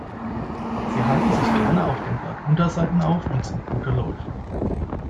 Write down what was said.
Sie halten sich gern auf den Blattunterseiten auf und sind gute Läufer.